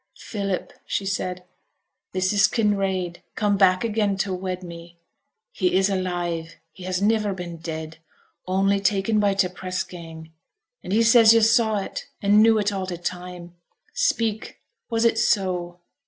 'Philip,' she said, 'this is Kinraid come back again to wed me. He is alive; he has niver been dead, only taken by t' press gang. And he says yo' saw it, and knew it all t' time. Speak, was it so?'